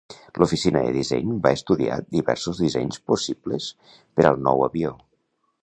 L'oficina de disseny va estudiar diversos dissenys possibles per al nou avió.